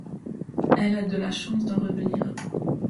Elle a la chance d'en revenir.